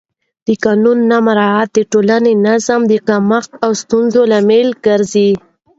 د قانون نه مراعت د ټولنیز نظم د کمښت او ستونزو لامل ګرځي